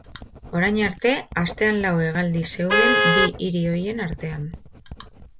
Orain arte, astean lau hegaldi zeuden bi hiri horien artean.